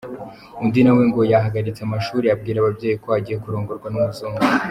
Undi na we ngo yahagaritse amashuri abwira ababyeyi ko agiye kurongorwa n’umuzungu.